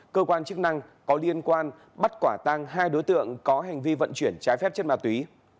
cơ quan chức năng có liên quan bắt quả tang hai đối tượng có hành vi vận chuyển trái phép chất ma túy